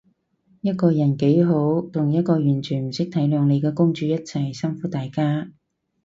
一個人幾好，同一個完全唔識體諒你嘅公主一齊，辛苦大家